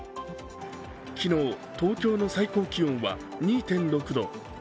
昨日、東京の最高気温は２．６度。